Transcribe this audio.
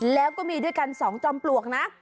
แล้วก็มีด้วยกัน๒จอมปลวกนะ